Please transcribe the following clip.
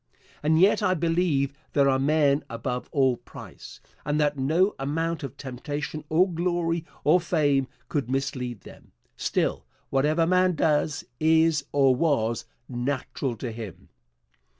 And yet I believe there are men above all price, and that no amount of temptation or glory or fame could mislead them. Still, whatever man does, is or was natural to him.